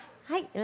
はい。